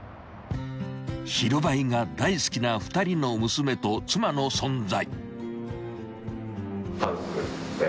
［白バイが大好きな２人の娘と妻の存在］